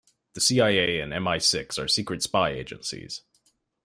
The CIA and MI-Six are secret spy agencies.